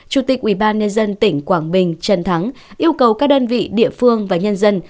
chủ tịch ubnd tỉnh quảng bình trần thắng yêu cầu các đơn vị địa phương và nhân dân